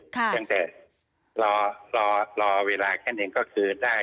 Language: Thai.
ค่ะอย่างแสดงรอเวลาแค่นึงก็คือได้